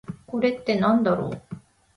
これってなんだろう？